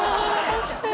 確かに。